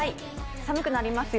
寒くなりますよ。